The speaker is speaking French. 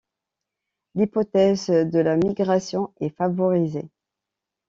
L'hypothèse de la migration est favorisée.